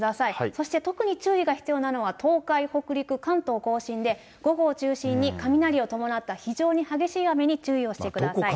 そしてとくに注意が必要なのは、東海、北陸、関東甲信で、午後を中心に雷を伴った非常に激しい雨に注意をしてください。